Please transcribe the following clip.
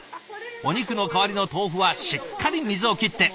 お肉の代わりの豆腐はしっかり水を切って！